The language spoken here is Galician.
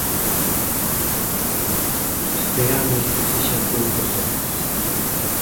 Esperamos que sexan poucas horas.